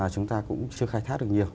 chúng ta cũng chưa khai thác được nhiều